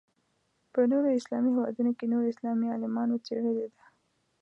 په نورو اسلامي هېوادونو کې نور اسلامي عالمانو څېړلې ده.